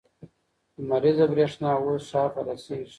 لمریزه برېښنا اوس ښار ته رسیږي.